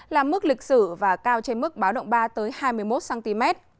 là mức lịch sử và cao trên mức báo động ba tới hai mươi một cm